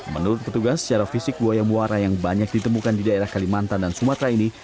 menurut petugas secara fisik buaya muara yang banyak ditemukan di daerah kalimantan dan sumatera ini